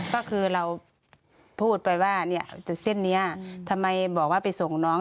ก็คือเราพูดไปว่าเนี่ยจุดเส้นนี้ทำไมบอกว่าไปส่งน้อง